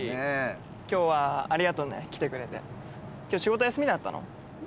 今日はありがとね来てくれて今日仕事休みだったの？